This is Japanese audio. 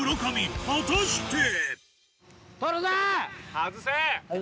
・外せ！